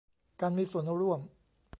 การมีส่วนร่วม